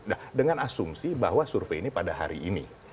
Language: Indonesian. nah dengan asumsi bahwa survei ini pada hari ini